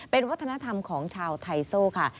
เป็นวัฒนธรรมของชาวไทโซ่ค่ะ